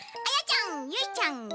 あやちゃんゆいちゃん